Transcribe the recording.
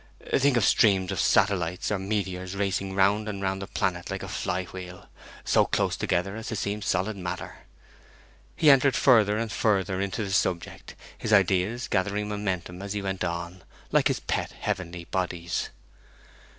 Think of streams of satellites or meteors racing round and round the planet like a fly wheel, so close together as to seem solid matter!' He entered further and further into the subject, his ideas gathering momentum as he went on, like his pet heavenly bodies.